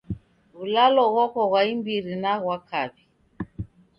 W'ulalo ghoko ghwa imbiri na ghwa kaw'i.